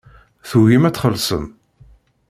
Tugim ad txellṣem.